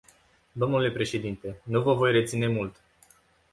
Domnule președinte, nu vă voi reține mult.